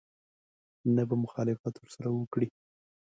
نه به مخالفت ورسره وکړي.